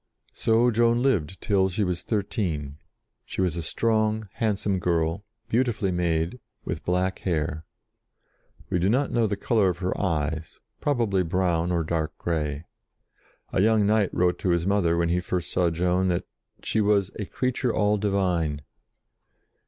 So Joan lived till she was thirteen. She was a strong, handsome girl, beautifully made, with black hair. We do not know the colour of her eyes, probably brown or dark grey. A young knight wrote to his mother, when he first saw Joan, that she was "a creature all divine."